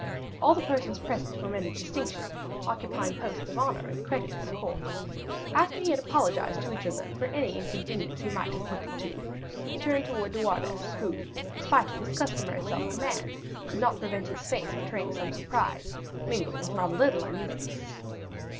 All the persons present were men of distinction, occupying posts of honor and credit at the court. After he had apologized to each of them for any inconvenience he might have put them to, he turned towards De Wardes, who, in spite of his customary self command, could not prevent his face betraying some surprise mingled with not a little uneasiness.